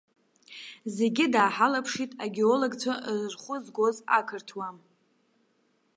Зегьы дааҳалаԥшит, агеологцәа рхәы згоз ақырҭуа.